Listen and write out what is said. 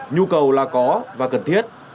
nhu cầu là có và cần thiết